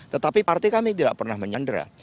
tetapi partai kami tidak pernah menyandera